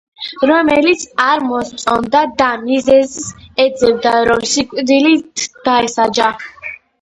რომელიც არ მოსწონდა და მიზეზს ეძებდა, რომ სიკვდილით დაესაჯა.